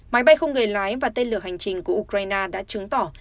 máy bay không người lái và tên lửa hành trình của ukraine đã chứng tỏ